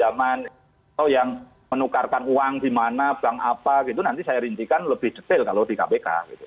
atau yang menukarkan uang di mana bank apa gitu nanti saya rincikan lebih detail kalau di kpk gitu